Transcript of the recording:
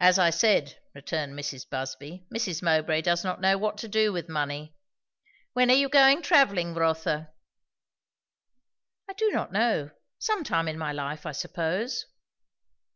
"As I said," returned Mrs. Busby. "Mrs. Mowbray does not know what to do with money. When are you going travelling, Rotha?" "I do not know. Some time in my life, I suppose."